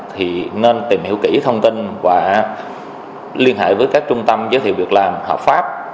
thì nên tìm hiểu kỹ thông tin và liên hệ với các trung tâm giới thiệu việc làm hợp pháp